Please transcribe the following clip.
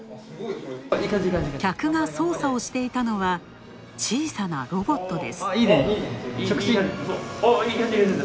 客が操作していたのは小さなロボットです。